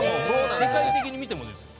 世界的に見てもですよ。